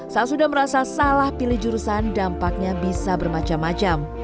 saat sudah merasa salah pilih jurusan dampaknya bisa bermacam macam